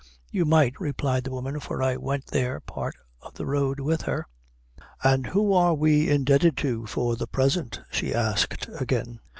"You might," replied the woman; "for I went there part o' the road with her." "And who are we indebted to for the present?" she asked again.